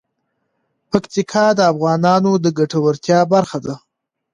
پکتیکا د افغانانو د ګټورتیا برخه ده.